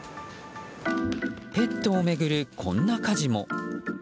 ペットを巡るこんな火事も。